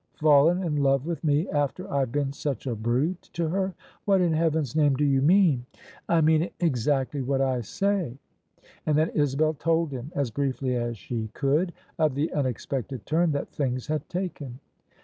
" Fallen in love with me after IVe been such a brute to her? What in heaven's name do you mean?" I mean exactly what I say." And then Isabel told him, as briefly as she could, of the unexpected turn that things had taken.